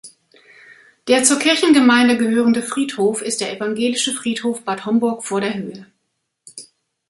Der zur Kirchengemeinde gehörende Friedhof ist der Evangelische Friedhof Bad Homburg vor der Höhe.